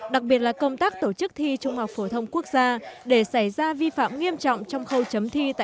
đặc biệt là công tác tổ chức thi trung học phổ thông quốc gia để xảy ra vi phạm nghiêm trọng trong khâu chấm thi tại